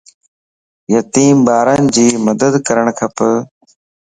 يتيم ٻارن جي مدد ڪرڻ کپ